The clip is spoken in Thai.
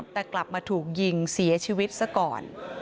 แต่กลับมาถูกยิงเสียชีวิตซะก่อน